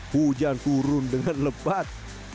hujan turun dengan lebat